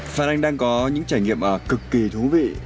phan anh đang có những trải nghiệm cực kỳ thú vị